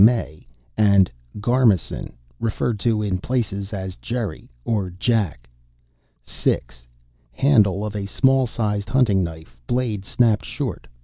May," and "Garmison," referred to in places as "Jerry" or "Jack." 6. Handle of small sized hunting knife. Blade snapped short.